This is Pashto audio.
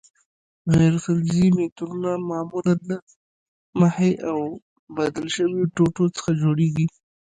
غیر فلزي مترونه معمولاً له محې او بدل شویو ټوټو څخه جوړیږي.